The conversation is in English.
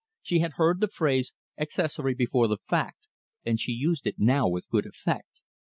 She had heard the phrase "accessory before the fact," and she used it now with good effect.